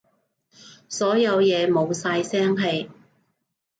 所有嘢冇晒聲氣